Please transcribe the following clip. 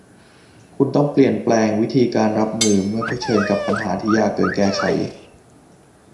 คุณต้องเปลี่ยนแปลงวิธีการรับมือเมื่อเผชิญกับปัญหาที่ยากเกินแก้ไข